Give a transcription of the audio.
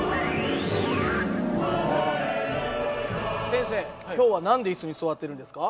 先生今日は何で椅子に座ってるんですか？